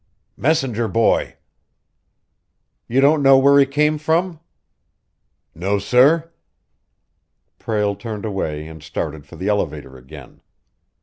"Messenger boy." "You don't know where he came from?" "No, sir." Prale turned away and started for the elevator again.